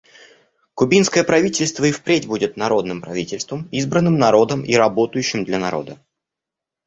Кубинское правительство и впредь будет народным правительством, избранным народом и работающим для народа.